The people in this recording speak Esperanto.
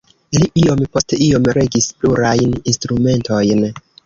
Li iom post iom regis plurajn instrumentojn.